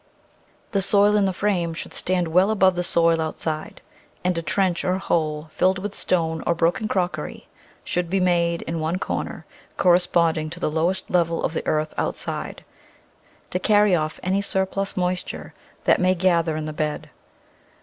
The soil in the frame should stand well above the soil outside, and a trench or hole, filled with stone or broken crockery, should be made in one corner, cor responding to the lowest level of the earth outside, to carry off any surplus moisture that may gather in the bed.